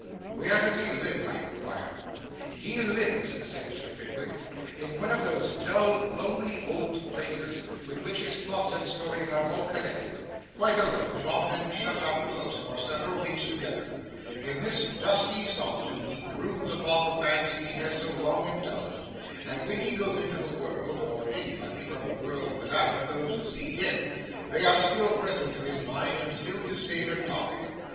'Where does he live?' I inquired. 'He lives,' said Mr. Pickwick, 'in one of those dull, lonely old places with which his thoughts and stories are all connected; quite alone, and often shut up close for several weeks together. In this dusty solitude he broods upon the fancies he has so long indulged, and when he goes into the world, or anybody from the world without goes to see him, they are still present to his mind and still his favourite topic.